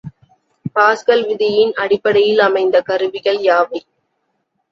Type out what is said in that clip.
Pascal விதியின் அடிப்படையில் அமைந்த கருவிகள் யாவை?